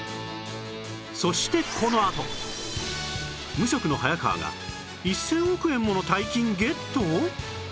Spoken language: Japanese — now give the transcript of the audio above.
そしてこのあと無職の早川が１０００億円もの大金ゲット？